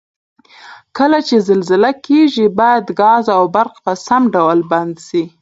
کله چې زلزله کیږي باید ګاز او برق په سم ډول بند شي؟